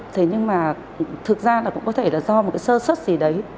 thế nhưng mà thực ra là cũng có thể là do một cái sơ xuất gì đấy